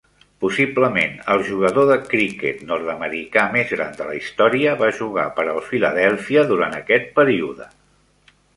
Possiblement, el jugador de criquet nord-americà més gran de la història va jugar per al Filadèlfia durant aquest període.